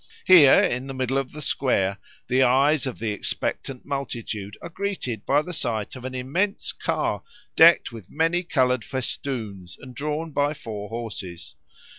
Here, in the middle of the square, the eyes of the expectant multitude are greeted by the sight of an immense car decked with many coloured festoons and drawn by four horses.